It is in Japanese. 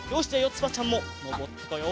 つばちゃんものぼってこよう。